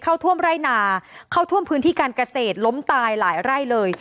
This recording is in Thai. เข้าท่วมไร่นาเข้าท่วมพื้นที่การเกษตรล้มตายหลายไร่เลย